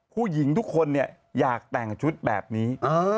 ผู้หญิงทุกคนเนี่ยอยากแต่งชุดแบบนี้